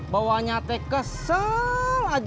bawanya te kesel aja